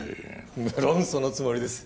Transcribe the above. むろんそのつもりです